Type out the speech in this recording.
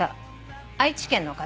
愛知県の方。